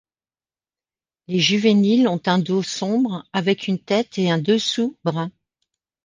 Les juvéniles ont un dos sombre avec une tête et un dessous bruns.